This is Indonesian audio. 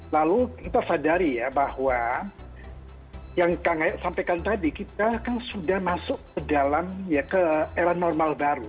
lalu kita sadari ya bahwa yang kang ayat sampaikan tadi kita kan sudah masuk ke dalam ya ke era normal baru